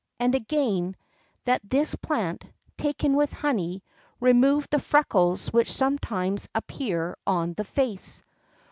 [X 9] And again, that this plant, taken with honey, removed the freckles which sometimes appear on the face.